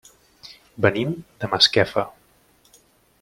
Venim de Masquefa.